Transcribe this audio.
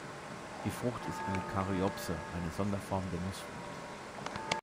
Die Frucht ist eine Karyopse eine Sonderform der Nussfrucht.